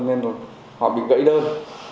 nên họ bị gãy đơn